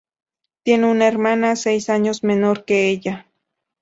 Tiene una hermana seis años menor que ella.